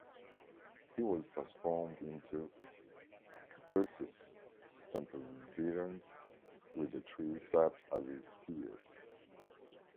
He was transformed into "cupressus sempervirens", with the tree's sap as his tears.